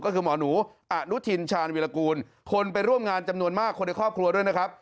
ก็คือหมอหนูอนุทินชาญวิรากูลคนไปร่วมงานจำนวนมากคนในครอบครัวด้วยนะครับ